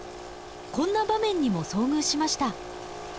こんな場面にも遭遇しました。